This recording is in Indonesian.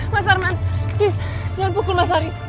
mas arman jangan pukul mas haris